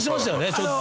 ちょっと。